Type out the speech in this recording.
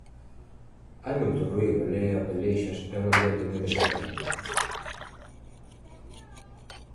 Hai moito ruído, lea, pelexas... é un ambiente moi desagradable.